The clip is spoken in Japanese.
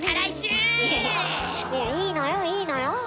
いやいいのよいいのよ。